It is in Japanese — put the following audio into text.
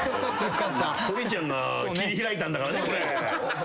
トリちゃんが切り開いたんだからねこれ。